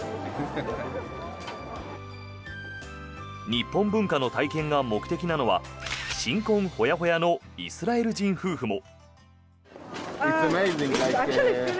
日本文化の体験が目的なのは新婚ホヤホヤのイスラエル人夫婦も。